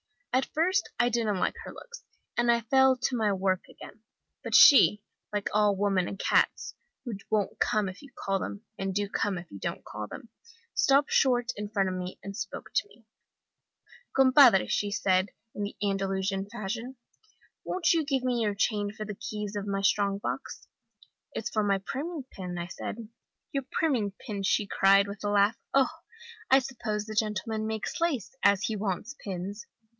At first I didn't like her looks, and I fell to my work again. But she, like all women and cats, who won't come if you call them, and do come if you don't call them, stopped short in front of me, and spoke to me. "'Compadre,' said she, in the Andalusian fashion, 'won't you give me your chain for the keys of my strong box?' "'It's for my priming pin,' said I. "'Your priming pin!' she cried, with a laugh. 'Oho! I suppose the gentleman makes lace, as he wants pins!